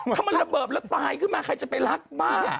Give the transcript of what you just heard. ถ้ามันระเบิดแล้วตายขึ้นมาใครจะไปรักบ้า